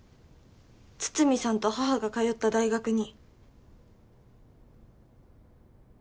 筒見さんと母が通った大学に。